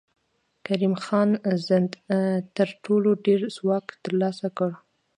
کریم خان زند تر ټولو ډېر ځواک تر لاسه کړ.